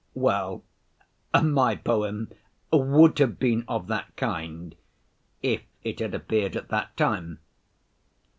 Well, my poem would have been of that kind if it had appeared at that time.